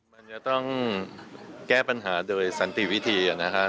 มันจะต้องแก้ปัญหาโดยสันติวิธีนะครับ